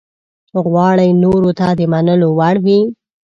غواړي نورو ته د منلو وړ وي.